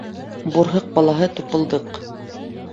БУРҺЫҠ БАЛАҺЫ ТУПЫЛДЫҠ